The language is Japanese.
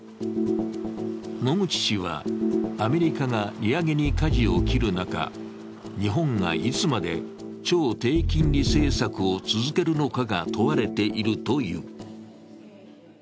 野口氏は、アメリカが利上げにかじを切る中、日本がいつまで超低金利政策を続けるのかが問われているという。